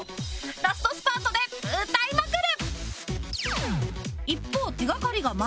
ラストスパートで歌いまくる！